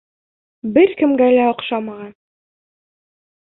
Бер кемгә лә оҡшамаған!